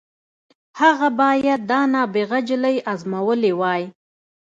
هغه بايد دا نابغه نجلۍ ازمايلې وای.